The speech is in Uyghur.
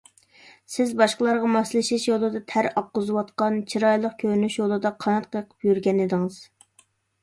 سىز باشقىلارغا ماسلىشىش يولىدا تەر ئاققۇزۇۋاتقان، چىرايلىق كۆرۈنۈش يولىدا قانات قېقىپ يۈرگەنىدىڭىز.